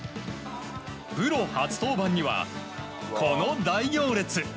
プロ初登板には、この大行列。